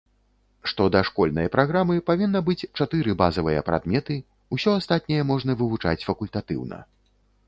Што да школьнай праграмы, павінна быць чатыры базавыя прадметы, усё астатняе можна вывучаць факультатыўна.